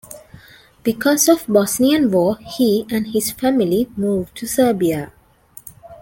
Because of the Bosnian War he and his family moved to Serbia.